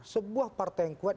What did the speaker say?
sebuah partai yang kuat